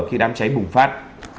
khi đám cháy bùng phát